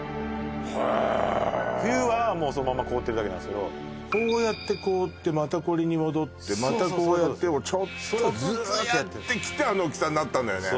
へえ冬はもうそのまま凍ってるだけなんですけどこうやって凍ってまたこれに戻ってまたこうやってをちょっとずつやってきてあの大きさになったのよね